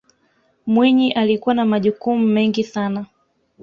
mwinyi alikuwa na majukumu mengine sana